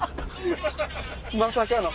まさかの。